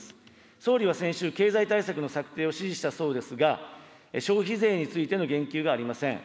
総理は先週、経済対策の策定を指示したそうですが、消費税についての言及がありません。